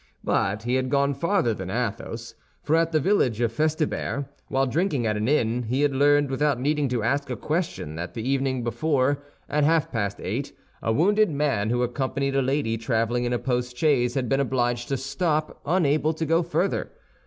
But he had gone farther than Athos—for at the village of Festubert, while drinking at an inn, he had learned without needing to ask a question that the evening before, at half past eight, a wounded man who accompanied a lady traveling in a post chaise had been obliged to stop, unable to go further.